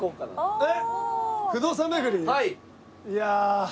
えっ？